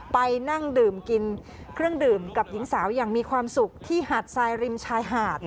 ไปนั่งดื่มกินเครื่องดื่มกับหญิงสาวอย่างมีความสุขที่หาดทรายริมชายหาด